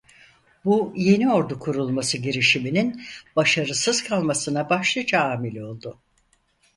Bu yeni ordu kurulması girişiminin başarısız kalmasına başlıca amil oldu.